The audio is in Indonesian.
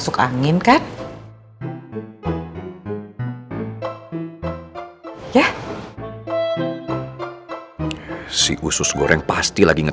jujur lo tuh ngeselin mel